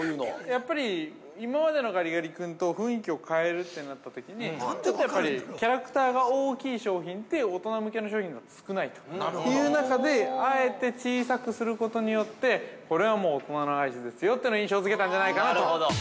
◆やっぱり今までのガリガリ君と雰囲気を変えるとなったときにちょっとやっぱりキャラクターが大きい商品って、大人向けの商品では少ないという中で、あえて小さくすることによって、これはもう大人のアイスですよということを印象づけたんじゃないかなと。